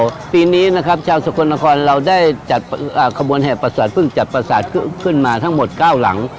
สวัสดีครับปีนี้นะครับชาวสกุณฑรเราได้กระบวนแห่ประสาทผึ้งจัดประสาทขึ้นมาทั้งหมด๙หลัง